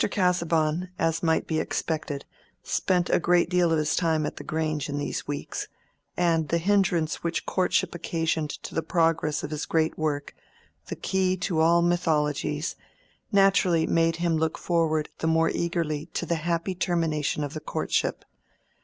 Casaubon, as might be expected, spent a great deal of his time at the Grange in these weeks, and the hindrance which courtship occasioned to the progress of his great work—the Key to all Mythologies—naturally made him look forward the more eagerly to the happy termination of courtship.